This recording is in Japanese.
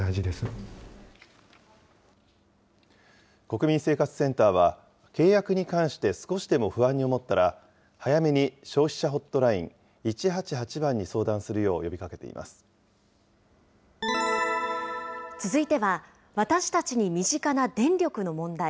国民生活センターは、契約に関して少しでも不安に思ったら、早めに消費者ホットライン１８８番に相談するよう呼びかけていま続いては、私たちに身近な電力の問題。